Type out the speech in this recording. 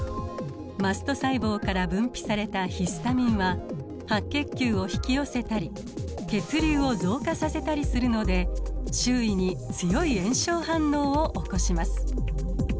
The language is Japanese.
マスト細胞から分泌されたヒスタミンは白血球を引き寄せたり血流を増加させたりするので周囲に強い炎症反応を起こします。